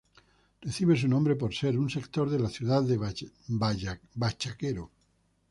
Recibe su nombre por ser un sector de la ciudad de Bachaquero.